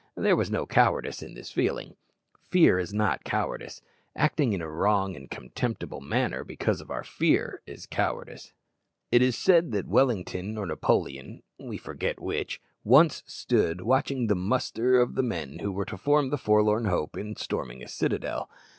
There was no cowardice in this feeling. Fear is not cowardice. Acting in a wrong and contemptible manner because of our fear is cowardice. It is said that Wellington or Napoleon, we forget which, once stood watching the muster of the men who were to form the forlorn hope in storming a citadel.